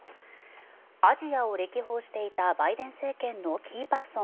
アジアを歴訪していたバイデン政権のキーパーソン